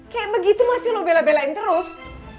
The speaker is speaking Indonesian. kayak begitu masih lo bela belain terus